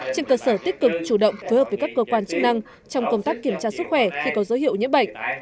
trên cơ sở tích cực chủ động phối hợp với các cơ quan chức năng trong công tác kiểm tra sức khỏe khi có dấu hiệu nhiễm bệnh